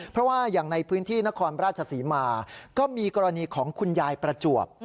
เพราะว่าอย่างในพื้นที่นครราชศรีมาก็มีกรณีของคุณยายประจวบ